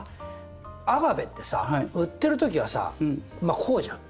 アガベってさ売ってるときはさこうじゃん。